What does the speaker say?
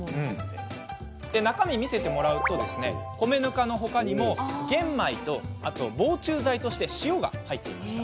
中身を見せてもらうと米ぬかの他にも玄米と防虫剤として塩が入っていました。